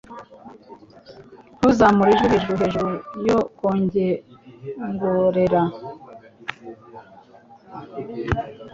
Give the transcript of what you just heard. Ntuzamure ijwi hejuru hejuru yo kwongorera.